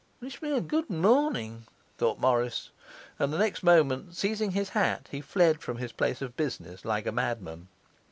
'Wish me a good morning!' thought Morris; and the next moment, seizing his hat, he fled from his place of business like a madman.